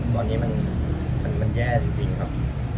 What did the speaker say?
ตอนนี้มันแย่จริงครับ